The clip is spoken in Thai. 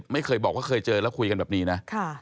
ไม่เคยบอกว่าเคยเจอแล้วคุยกันแบบนี้นะ